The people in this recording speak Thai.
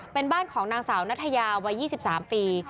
เป็นบ้านของนางสาวนัทยาวัยยี่สิบสามปี